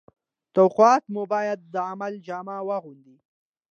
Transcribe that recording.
توقعات مو باید د عمل جامه واغوندي